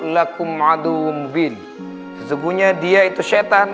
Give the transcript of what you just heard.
sesungguhnya dia itu syaitan